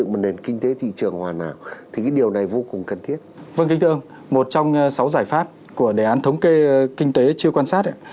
một trong sáu giải pháp của đề án thống kê kinh tế chưa quan sát